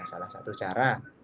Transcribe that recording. salah satu cara